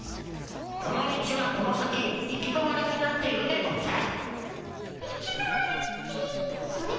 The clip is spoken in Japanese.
この道はこの先行き止まりになっているでゴンス。